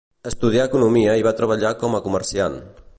Estudià economia i va treballar com a comerciant.